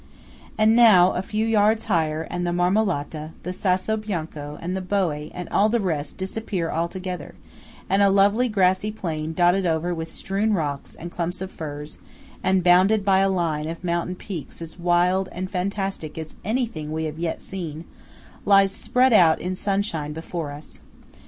And now a few yards higher, and the Marmolata, the Sasso Bianco, the Boé, and all the rest, disappear together; and a lovely grassy plain dotted over with strewn rocks and clumps of firs, and bounded by a line of mountain peaks as wild and fantastic as anything we have yet seen, lies spread out in sunshine before us.